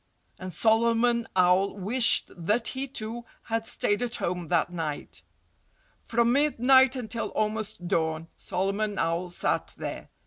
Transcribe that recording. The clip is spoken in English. And Solomon Owl wished that he, too, had stayed at home that night. From midnight until almost dawn Solomon Owl sat there.